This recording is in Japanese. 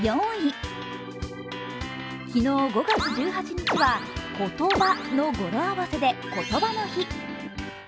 昨日５月１８日は、５、１０、８の語呂合わせでことばの日。